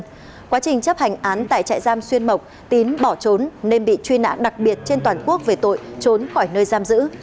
trong quá trình chấp hành án tại trại giam xuyên mộc tín bỏ trốn nên bị truy nã đặc biệt trên toàn quốc về tội trốn khỏi nơi giam giữ